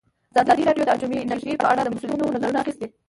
ازادي راډیو د اټومي انرژي په اړه د مسؤلینو نظرونه اخیستي.